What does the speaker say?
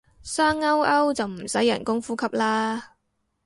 生勾勾就唔使人工呼吸啦